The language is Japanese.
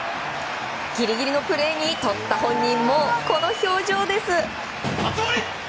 ギリギリのプレーにとった本人も、この表情です。